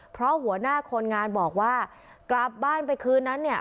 เพราะหัวหน้าคนงานบอกว่ากลับบ้านไปคืนนั้นเนี่ย